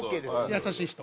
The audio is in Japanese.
優しい人！